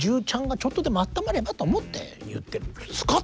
ＮｉｚｉＵちゃんがちょっとでもあったまればと思って言ってるんです。